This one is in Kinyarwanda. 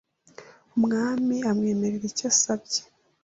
Umwami amwemerera icyo asabye